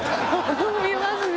飲みますね。